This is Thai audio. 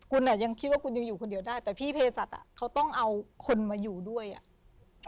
คุณอ่ะยังคิดว่าคุณยังอยู่คนเดียวได้แต่พี่เพศัตว์อ่ะเขาต้องเอาคนมาอยู่ด้วยอ่ะ